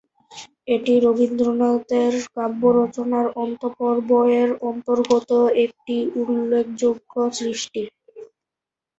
এটি রবীন্দ্রনাথের কাব্য রচনার "অন্ত্যপর্ব"-এর অন্তর্গত একটি উল্লেখযোগ্য সৃষ্টি।